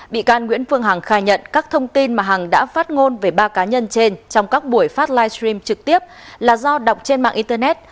bị can nguyễn phương hằng khai nhận các thông tin mà hằng đã phát ngôn về ba cá nhân trên trong các buổi phát livestream trực tiếp là do đọc trên mạng internet